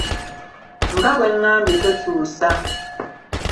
Nga bwe ngambye tokyusa!